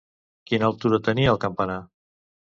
Quina altura tenia el campanar?